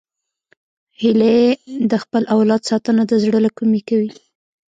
هیلۍ د خپل اولاد ساتنه د زړه له کومي کوي